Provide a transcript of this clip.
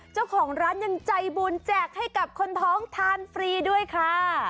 เจ้าของร้านยังใจบุญแจกให้กับคนท้องทานฟรีด้วยค่ะ